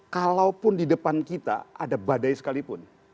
kalaupun di depan kita ada badai sekalipun